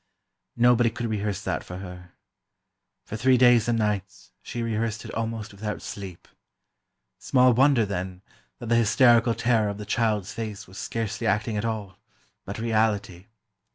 Nobody could rehearse that for her. For three days and nights, she rehearsed it almost without sleep. Small wonder, then, that the hysterical terror of the child's face was scarcely acting at all, but reality.